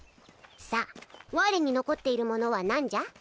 さあ我に残っているものは何じゃ？